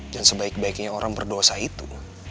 dan sebaik baiknya orang berdosa itu